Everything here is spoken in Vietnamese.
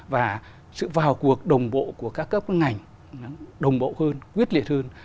và sự vào cuộc đồng bộ của các cấp ngành đồng bộ hơn quyết liệt hơn